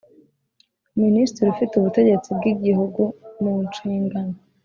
Minisitiri ufite ubutegetsi bw Igihugu mu nshingano